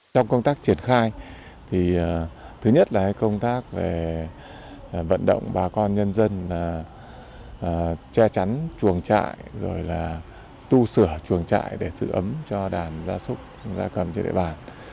trong công tác triển khai thứ nhất là công tác về vận động bà con nhân dân che chắn chuồng trại rồi là tu sửa chuồng trại để giữ ấm cho đàn gia súc gia cầm trên địa bàn